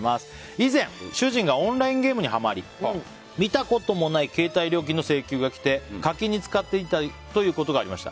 以前、主人がオンラインゲームにハマり見たこともない携帯料金の請求が来て課金に使っていたということがありました。